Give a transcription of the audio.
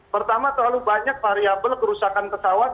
pertama terlalu banyak variable kerusakan pesawat